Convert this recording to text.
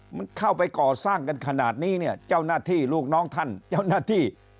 มันเข้าไปก่อสร้างกันขนาดนี้เนี่ยเจ้าหน้าที่ลูกน้องท่านเจ้าหน้าที่